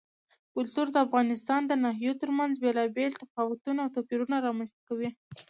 کلتور د افغانستان د ناحیو ترمنځ بېلابېل تفاوتونه او توپیرونه رامنځ ته کوي.